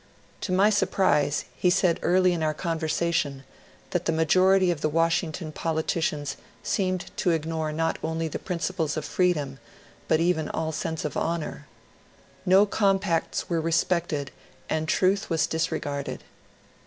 To my surprise he said early in our conversation that the majority of the Washington politicians seemed to ignore not only the principles of freedom but even all sense of honour. No compacts were respected and truth was disregarded.